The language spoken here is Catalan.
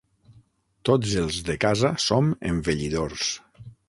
Tots els de casa som envellidors.